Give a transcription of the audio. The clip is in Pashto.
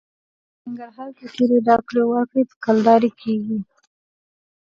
په ننګرهار کې ټولې راکړې ورکړې په کلدارې کېږي.